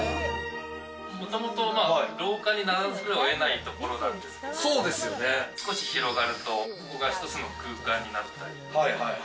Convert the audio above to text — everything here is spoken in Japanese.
もともと廊下にならざるを得ないところなんですけど、少し広がると、ここが一つの空間になったり。